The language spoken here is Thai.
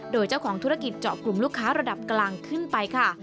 โดยเจ้าของธุรกิจเจาะกลุ่มลูกค้าระดับกลางขึ้นไปค่ะ